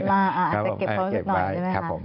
อาจจะเก็บเขาสักหน่อยใช่ไหมครับ